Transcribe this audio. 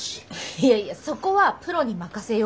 いやいやそこはプロに任せようよ。